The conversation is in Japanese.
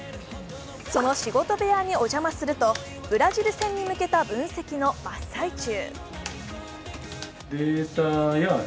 その仕事部屋にお邪魔すると、ブラジル戦に向けた分析の真っ最中。